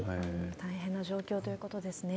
大変な状況ということですね。